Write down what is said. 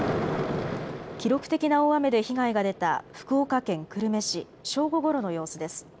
記録的な大雨で被害が出た福岡県久留米市、正午ごろの様子です。